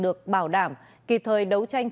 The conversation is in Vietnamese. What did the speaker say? được bảo đảm kịp thời đấu tranh